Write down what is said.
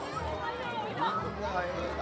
みんなええな